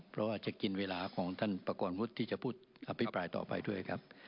เพราะว่าจะกินเวลาของท่านประกอบวุฒิที่จะพูดคำพิปรายต่อไปด้วยครับ